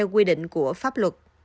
quy định của pháp luật